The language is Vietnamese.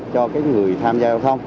cho người tham gia lưu thông